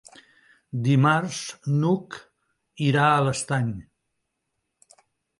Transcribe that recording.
Dimarts n'Hug irà a l'Estany.